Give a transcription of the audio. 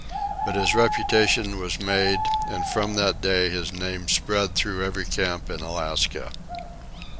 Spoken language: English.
But his reputation was made, and from that day his name spread through every camp in Alaska.